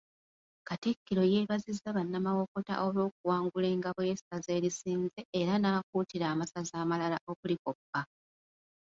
Katikkiro yeebazizza bannamawokota olw'okuwangula engabo y'essaza erisinze era n'akuutira amasaza amalala okulikoppa.